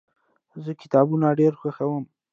زه کتابونه ډیر خوښوم.